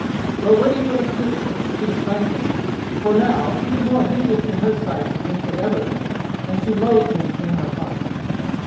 But when he would have kissed her, she shrank from him, for now he was more hideous in her sight than he had ever been, and she loathed him in her heart.